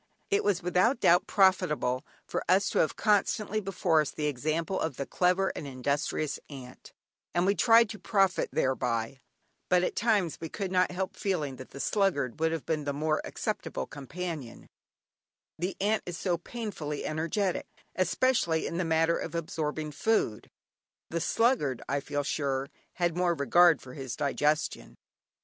It was without doubt profitable for us to have constantly before us the example of the clever and industrious ant, and we tried to profit thereby, but at times we could not help feeling that the sluggard would have been the more acceptable companion; the ant is so painfully energetic, especially in the matter of absorbing food the sluggard, I feel sure, had more regard for his digestion.